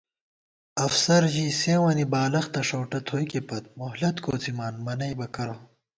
افسر ژِی سېوں وَنی بالَختہ ݭؤٹہ تھوئیکےپت، مہلت کوڅِمان، منَئیبہ کرہ